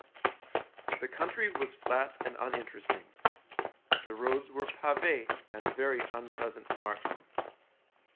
The country was flat and uninteresting. The roads were pave and very unpleasant to march on.